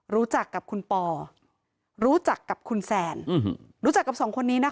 รู้จักกับคุณปอรู้จักกับคุณแซนรู้จักกับสองคนนี้นะคะ